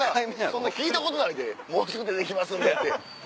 そんなん聞いたことないで「もうすぐ出てきますんで」。